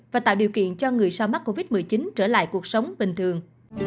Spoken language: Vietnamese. và tạo điều kiện cho người sau mắc covid một mươi chín trở lại cuộc sống bình thường